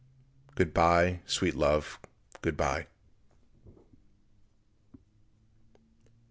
Good bye, sweet love, good bye.